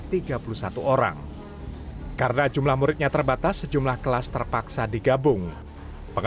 dua tahun ini tidak ada pendaftar yang kesini